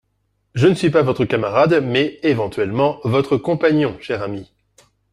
Je ne suis pas votre camarade mais, éventuellement, votre compagnon, cher ami.